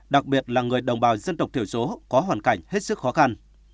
đặc biệt là người đồng bào dân tộc thiểu số có hoàn cảnh hết sức khó khăn